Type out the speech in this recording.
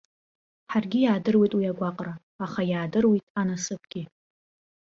Ҳаргьы иаадыруеит уи агәаҟра, аха иаадыруеит анасыԥгьы.